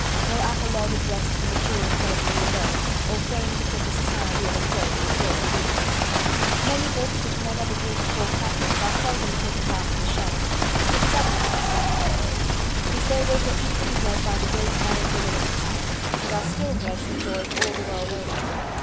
No apologue addressed to the mature intelligence alone, or framed to fit the society of his day, is here included. Many books which men have agreed to call classics are seldom taken down from the shelves. It is otherwise with La Fontaine. His Fables were eagerly read by the great men and women of his time, and are still read and enjoyed all the world over.